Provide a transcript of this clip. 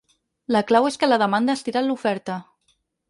La clau és que la demanda ha estirat l’oferta.